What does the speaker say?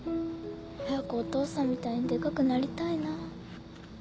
早くお父さんみたいにでかくなりたいな。